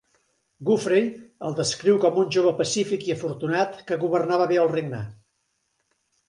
Geoffrey el descriu com un "jove pacífic i afortunat, que governava bé el regne".